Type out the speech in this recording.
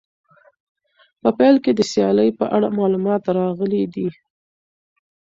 په پیل کې د سیالۍ په اړه معلومات راغلي دي.